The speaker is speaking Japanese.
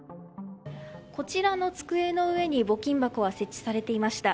こちらの机の上に募金箱は設置されていました。